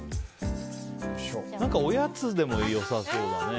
おやつでもよさそうだね。